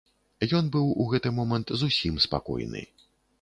Ён быў у гэты момант зусім спакойны.